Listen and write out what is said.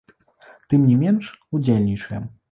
Тым не менш, удзельнічаем.